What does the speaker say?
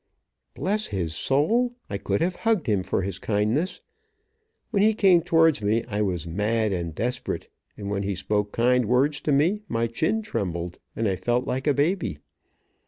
Bless his soul! I could, have hugged him for his kindness. When he came towards me, I was mad and desperate, and when he spoke kind words to me, my chin trembled, and I felt like a baby.